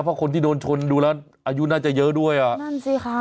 เพราะคนที่โดนชนดูแล้วอายุน่าจะเยอะด้วยอ่ะนั่นสิค่ะ